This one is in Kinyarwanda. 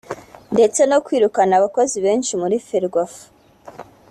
ndetse no kwirukana abakozi benshi muri Ferwafa